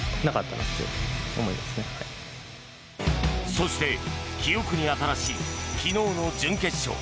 そして記憶に新しい昨日の準決勝。